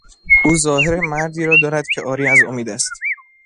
او ظاهر مردی را دارد که عاری از امید است.